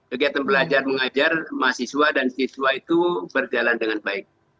kegiatan belajar mengajar mahasiswa dan siswa itu berjalan dengan baik